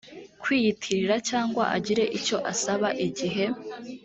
kwiyitirira cyangwa agire icyo asaba igihe